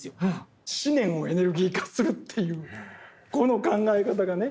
思念をエネルギー化するというこの考え方がね